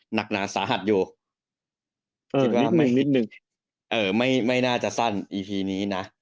หนักหนาสาหัสอยู่เออนิดนึงนิดนึงเออไม่ไม่น่าจะสั้นอีพีนี้น่ะ